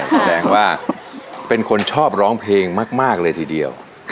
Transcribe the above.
แสดงว่าเป็นคนชอบร้องเพลงมากเลยทีเดียว